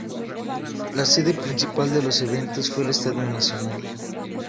La sede principal de los eventos fue el Estadio Nacional.